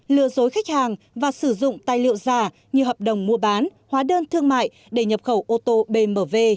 lừa dối khách hàng và sử dụng tài liệu giả như hợp đồng mua bán hóa đơn thương mại để nhập khẩu ô tô bmw